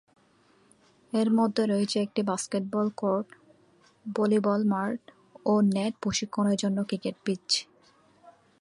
এর মধ্যে রয়েছে একটি বাস্কেটবল কোর্ট, ভলিবল মাঠ ও নেট প্রশিক্ষণের জন্য ক্রিকেট পিচ।